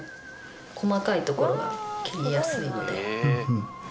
細かい所が切りやすいので。